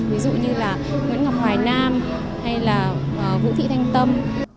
ví dụ như là nguyễn ngọc hoài nam hay là vũ thị thanh tâm